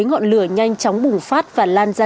ngọn lửa nhanh chóng bùng phát và lan ra